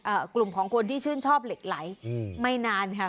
กลุ่มของคนที่ชื่นชอบเหล็กไหลอืมไม่นานค่ะ